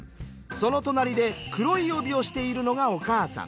その隣で黒い帯をしているのがお母さん。